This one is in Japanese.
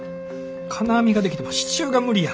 金網ができても支柱が無理や。